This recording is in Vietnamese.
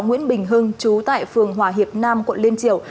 nguyễn bình hưng chú tại phường hòa hiệp nam quận liên triều